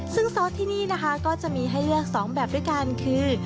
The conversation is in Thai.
ซึ่งซอสที่นี่นะคะก็จะมีให้เลือก๒แบบด้วยกันคือ